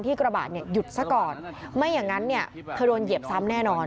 กระบะเนี่ยหยุดซะก่อนไม่อย่างนั้นเนี่ยเธอโดนเหยียบซ้ำแน่นอน